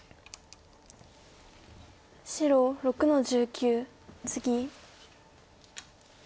白６の十九ツギ。